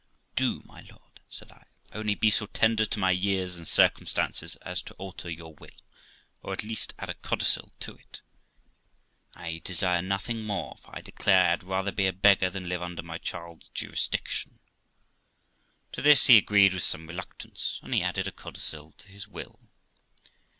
'Do, my lord', said I, 'only be so tender to my years and circumstances as to alter your will, or, at least, add a codicil to it; I desire nothing more, for I declare I had rather be a beggar than live under my child's jurisdic tion.' To this he agreed with some reluctance, and he added a codicil to his will.